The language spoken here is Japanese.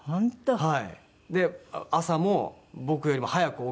はい。